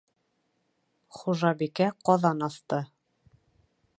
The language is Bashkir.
Хужабикә ҡаҙан аҫты.